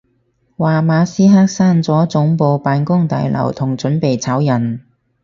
話馬斯克閂咗總部辦公大樓同準備炒人